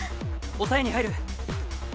抑えに入る。